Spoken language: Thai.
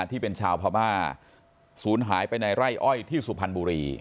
ที่เป็นชาวพม่าศูนย์หายไปในไร่อ้อยที่สุพรรณบุรี